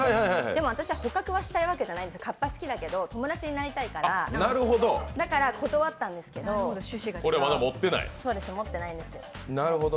でも、私は捕獲をしたいわけではないんです、かっぱは好きですけど友達になりたいから断ったんですけど、これは持ってないんです。